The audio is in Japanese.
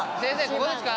ここですか？